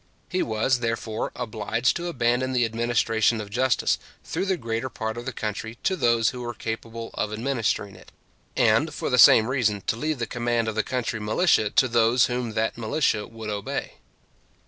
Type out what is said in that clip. He was, therefore, obliged to abandon the administration of justice, through the greater part of the country, to those who were capable of administering it; and, for the same reason, to leave the command of the country militia to those whom that militia would obey.